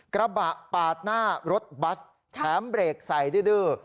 กระบะปาดหน้ารถบัสแถมเบรกใส่ดื้อ